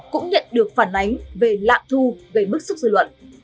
cũng nhận được phản ánh về lạm thu gây bức xúc dư luận